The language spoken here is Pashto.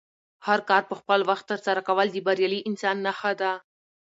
هر کار په خپل وخت ترسره کول د بریالي انسان نښه ده.